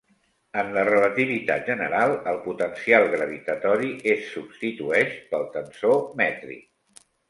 En la relativitat general, el potencial gravitatori es substitueix pel tensor mètric.